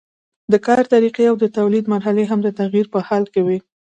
د کار طریقې او د تولید مرحلې هم د تغییر په حال کې وي.